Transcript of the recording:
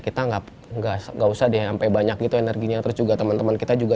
kita nggak usah deh sampai banyak gitu energinya terus juga teman teman kita juga